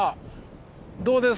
どうです？